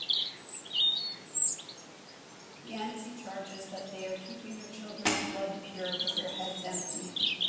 Yancey charges that they are keeping their children's blood pure, but their heads empty.